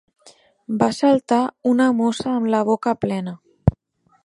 Va saltar una mossa amb la boca plena